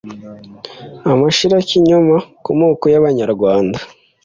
amashirakinyoma ku moko y’abanyarwanda